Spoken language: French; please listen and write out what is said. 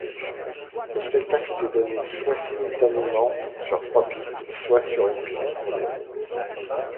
Le spectacle était donné soit simultanément sur trois pistes, soit sur la piste hippodrome.